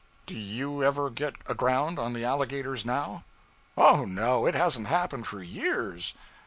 'Do you ever get aground on the alligators now?' 'Oh, no! it hasn't happened for years.'